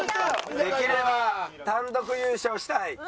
できれば単独優勝したい。